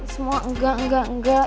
semua enggak enggak enggak